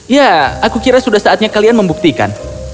ya aku kira sudah saatnya kalian membuktikan